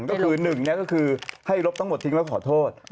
ก็คือ๑ก็คือให้ลบทั้งหมดทิ้งแล้วขอโทษ